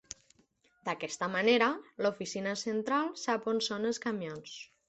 D'aquesta manera, l'oficina central sap on són els camions.